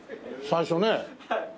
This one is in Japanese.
最初ね。